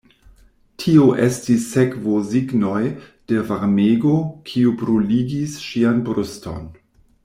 Tio estis sekvosignoj de varmego, kiu bruligis ŝian bruston.